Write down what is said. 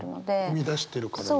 生み出してるから。